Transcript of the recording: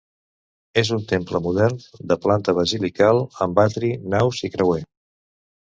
És un temple modern de planta basilical, amb atri, naus i creuer.